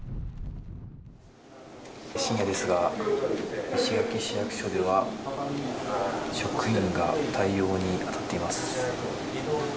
深夜ですが石垣市役所では職員が対応に当たっています。